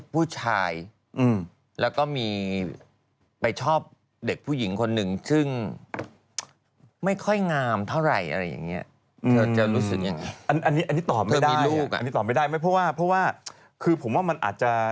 พี่อันต่อไม่ได้เพราะว่าคือผมว่ามันอาจจะ